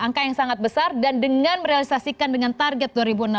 angka yang sangat besar dan dengan merealisasikan dengan target dua ribu enam belas